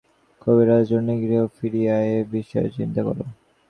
এই মরিচা হইতে নিজেদের মুক্ত করিবার জন্যই গৃহে ফিরিয়া এ-বিষয়ে চিন্তা কর।